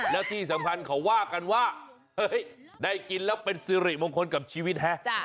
แล้วที่สำคัญเขาว่ากันว่าเฮ้ยได้กินแล้วเป็นสิริมงคลกับชีวิตฮะ